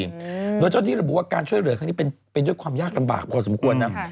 โดยเจ้าหน้าที่เราบอกว่าการช่วยเหลือค้นเป็นด้วยความยากกันบากกว่าสมควรนะ